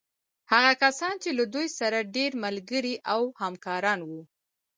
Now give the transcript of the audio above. هغه کسان چې له دوی سره ډېر ملګري او همکاران وو.